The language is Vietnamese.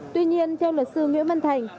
tuy nhiên theo luật sư nguyễn văn thành